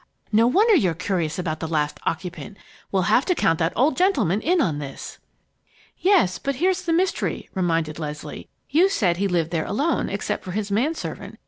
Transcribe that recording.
No wonder you're curious about the last occupant. We'll have to count that old gentleman in on this!" "Yes, but here's the mystery," reminded Leslie. "You said he lived here alone except for his man servant.